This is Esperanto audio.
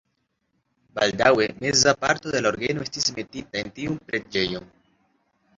Baldaŭe meza parto de la orgeno estis metita en tiun preĝejon.